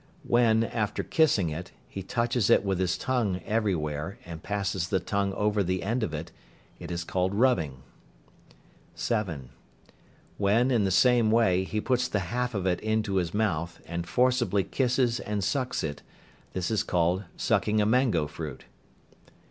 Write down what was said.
When, after kissing it, he touches it with his tongue everywhere, and passes the tongue over the end of it, it is called "rubbing." (7). When, in the same way, he puts the half of it into his mouth, and forcibly kisses and sucks it, this is called "sucking a mangoe fruit."